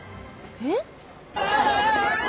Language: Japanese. えっ？